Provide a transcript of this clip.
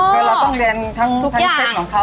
คือเราต้องเรียนทั้งเซตของเขา